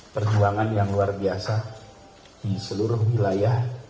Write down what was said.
perjuangan yang luar biasa di seluruh wilayah